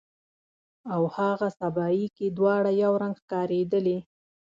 او هاغه سبایي کې دواړه یو رنګ ښکاریدلې